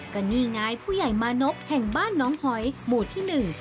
ก็นี่ไงผู้ใหญ่มานพแห่งบ้านน้องหอยหมู่ที่หนึ่ง